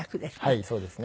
はいそうですね。